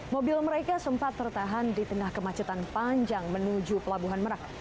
mobil mereka sempat tertahan di tengah kemacetan panjang menuju pelabuhan merak